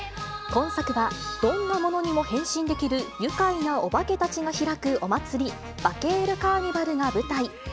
今作は、どんなものにも変身できる愉快なオバケたちが開くお祭り、バケールカーニバルが舞台。